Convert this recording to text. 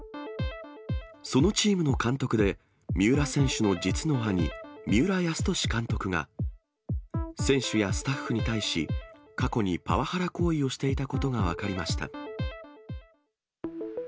そのチームの監督で、三浦選手の実の兄、三浦泰年監督が、選手やスタッフに対し、過去にパワハラ行為をしていたことが分かりました。